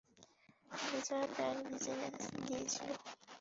বেচারার প্যান্ট ভিজে গিয়েছিল!